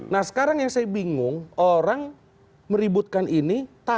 nah sekarang yang saya bingung orang meributkan ini